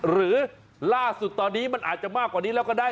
หรือล่าสุดตอนนี้มันอาจจะมากกว่านี้แล้วก็ได้